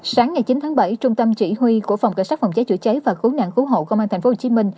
sáng ngày chín tháng bảy trung tâm chỉ huy của phòng cảnh sát phòng cháy chủ cháy và khu nạn khu hộ công an tp hcm